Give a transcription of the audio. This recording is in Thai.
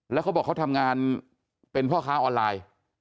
แล้วเขาบอกเขาทำงานเป็นพ่อค้าออนไลน์